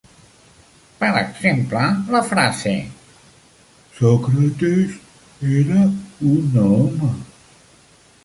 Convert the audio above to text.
Per exemple, la frase "Sòcrates era un home".